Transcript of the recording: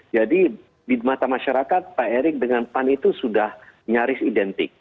jadi di mata masyarakat pak erick dengan pan itu sudah nyaris identik